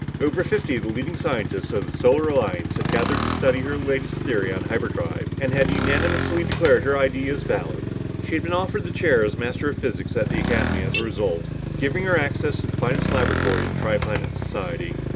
Over fifty of the leading scientists of the Solar Alliance had gathered to study her latest theory on hyperdrive, and had unanimously declared her ideas valid. She had been offered the chair as Master of Physics at the Academy as a result, giving her access to the finest laboratory in the tri planet society.